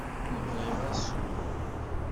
Ur bɣiɣ ad ssewweɣ.